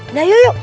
udah yuk yuk